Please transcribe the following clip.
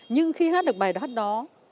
nhưng khi hát được bài hát đó